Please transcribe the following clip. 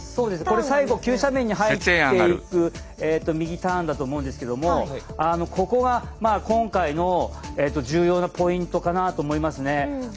最後急斜面に入っていく右ターンだと思うんですけどもここは今回の重要なポイントかなと思いますね。